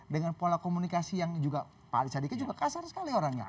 dengan pola komunikasi yang juga pak ali sadikin juga kasar sekali orangnya